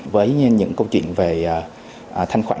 với những câu chuyện về thanh khoản